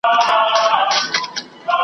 سترګي د رقیب دي سپلنی سي چي نظر نه سي .